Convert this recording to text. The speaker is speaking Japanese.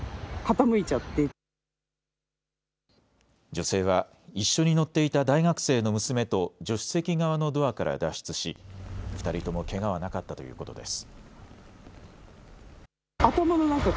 女性は一緒に乗っていた大学生の娘と助手席側のドアから脱出し２人ともけがはなかったということです。